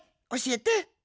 おしえて！